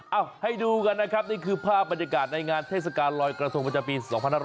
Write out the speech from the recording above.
เอาให้ดูกันนะครับนี่คือภาพบรรยากาศในงานเทศกาลลอยกระทงประจำปี๒๕๖๐